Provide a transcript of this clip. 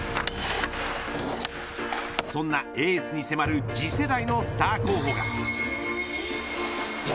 そんなエースに迫る次世代のスター候補が。